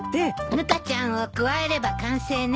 ぬかちゃんを加えれば完成ね。